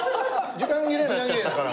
時間切れになっちゃったから。